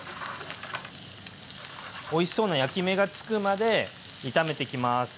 おいしそうな焼き目がつくまで炒めていきます。